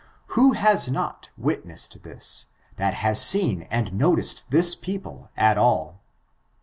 Who has not wit nessed this, that has seen and noticed this people at all?